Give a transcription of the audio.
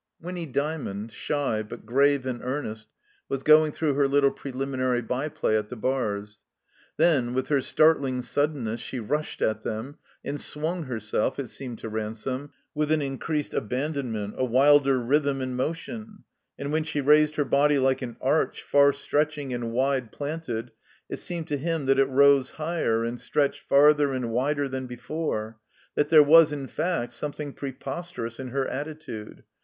Winny Dymond, shy, but grave and earnest, was going through her little preliminary byplay at the bars. Then, with her startling suddenness, she rushed at them, and swtmg herself, it seemed to Ransome, with an increased abandonment, a wilder rhjrthm and motion; and when she raised her body like an arch, far stretching and wide planted, it seemed to him that it rose higher and stretched farther and wider than before, that there was, in fact, something preposterous in her attitude.